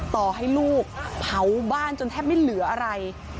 ต่อให้ลูกเผาบ้านจนแทบไม่เหลืออะไร